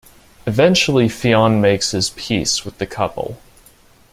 Eventually Fionn makes his peace with the couple.